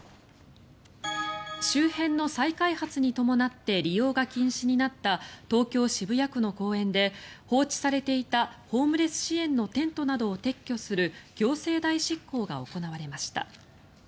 周辺の再開発に伴って利用が禁止になった東京・渋谷区の公園で放置されていたホームレス支援のテントなどを撤去する行政代執行が行われました。